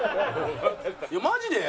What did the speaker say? マジで？